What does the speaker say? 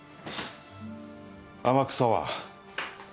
天草は？